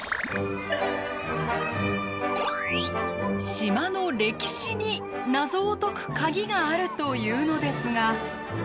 島の歴史に謎を解くカギがあるというのですが。